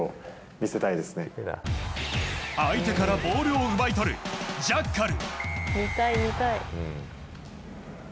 相手からボールを奪い取るジャッカル。